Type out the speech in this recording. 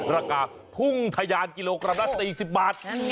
ราคาพุ่งทะยานกิโลกรัมละ๔๐บาท